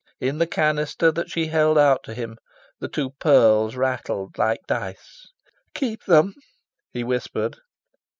In the canister that she held out to him, the two pearls rattled like dice. "Keep them!" he whispered.